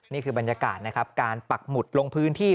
นี่คือบรรยากาศนะครับการปักหมุดลงพื้นที่